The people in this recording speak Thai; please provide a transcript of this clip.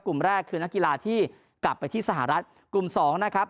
กลุ่มแรกคือนักกีฬาที่กลับไปที่สหรัฐกลุ่มสองนะครับ